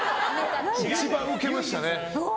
一番ウケましたね。